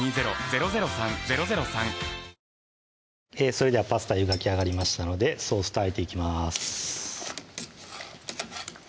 それではパスタ湯がきあがりましたのでソースとあえていきます